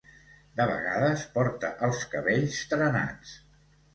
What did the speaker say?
De vegades porta els cabells trenats.